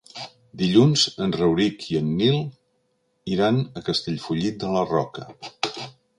Dilluns en Rauric i en Nil iran a Castellfollit de la Roca.